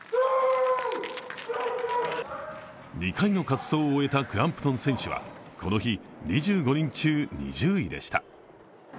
２回の滑走を終えたクランプトン選手はこの日、２５人中２０位でした。